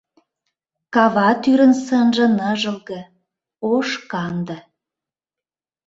Кава тӱрын сынже ныжылге, ош-канде;